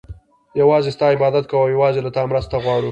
يوازي ستا عبادت كوو او يوازي له تا مرسته غواړو